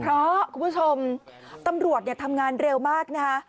เพราะคุณผู้ชมตำรวจทำงานเร็วมากนะคะ